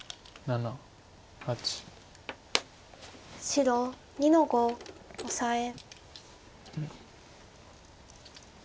白２の五オサエ。